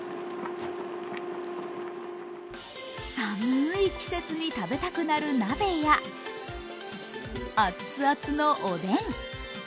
寒い季節に食べたくなる鍋やアッツアツのおでん。